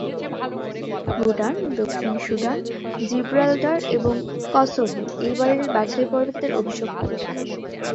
ভুটান, দক্ষিণ Sudan, Gibraltar এবং Kosovo এই বারের বাছাইপর্বে তাদের অভিষেক করেছিল।